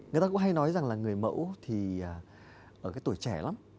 người ta cũng hay nói rằng là người mẫu thì ở cái tuổi trẻ lắm